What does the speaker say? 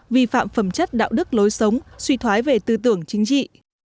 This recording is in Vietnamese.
vi phạm phẩm chất đạo đức lối sống suy thoái về tư tưởng chính trị